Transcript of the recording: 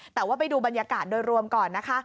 แต่ว่าไปดูบรรยากาศโดยรวมก่อนนะคะ